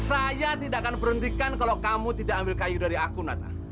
saya tidak akan berhentikan kalau kamu tidak ambil kayu dari aku nata